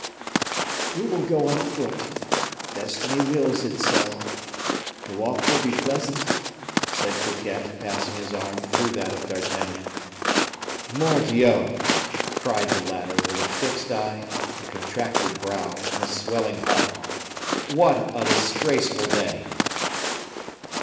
"We will go on foot destiny wills it so the walk will be pleasant," said Fouquet, passing his arm through that of D'Artagnan. "Mordioux!" cried the latter, with a fixed eye, a contracted brow, and a swelling heart "What a disgraceful day!"